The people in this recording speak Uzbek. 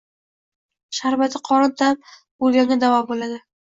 Sharbati qorin dam bo'lganga davo bo'ladi.